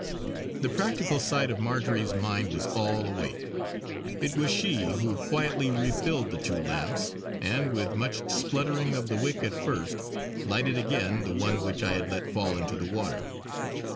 The practical side of Marjory's mind was all awake. It was she who quietly refilled the two lamps, and, with much spluttering of the wick at first, lighted again the one which I had let fall into the water.